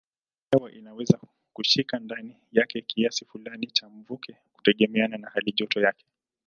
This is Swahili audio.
Hewa inaweza kushika ndani yake kiasi fulani cha mvuke kutegemeana na halijoto yake.